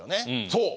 そう！